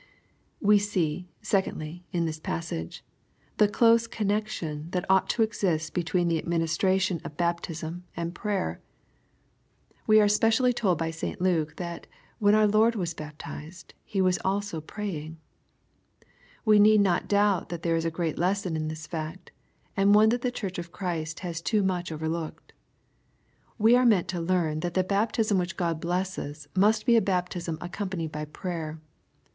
We see, secondly, in this passage, the close connexion that ought to exist between the administration of baptism 102 EXPOSITOBT TlSOUOHTS. and prayer. We are specially told by St Luke, thai when our Lord was baptized He was also ^* praying." We need not doubt that there is a great lesson in this fact, and one that the Church of Christ has too much overlooked. We are meant to learn that the baptism which God blesses must be a baptism accompa nied by prayer.